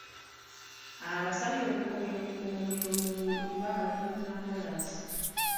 Abasabye okukomya okukuma omuliro mu nguudo kuba kyonoona kkolaasi.